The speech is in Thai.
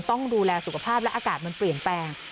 ต้องดูแลสุขภาพและอากาศมันเปลี่ยนแปลง